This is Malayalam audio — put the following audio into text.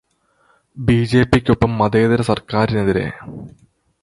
ബിജെപിക്കൊപ്പം മതേതര സര്ക്കാരിനെതിരെ